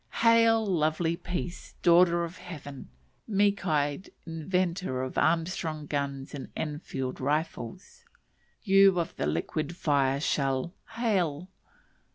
Hail, lovely peace, daughter of heaven! meek eyed inventor of Armstrong guns and Enfield rifles; you of the liquid fire shell, hail!